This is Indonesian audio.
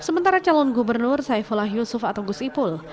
sementara calon gubernur saifullah yusuf atau gus ipul